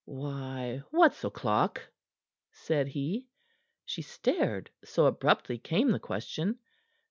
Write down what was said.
"Why, what's o'clock?" said he. She stared, so abruptly came the question.